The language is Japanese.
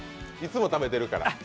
いつも食べてるから。